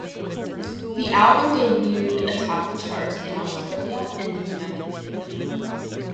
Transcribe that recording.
The album debuted atop the charts in Australia and the United Kingdom.